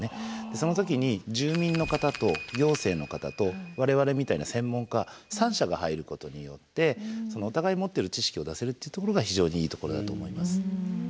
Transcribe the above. その時に住民の方と行政の方と我々みたいな専門家三者が入ることによってお互い持ってる知識を出せるっていうところが非常にいいところだと思います。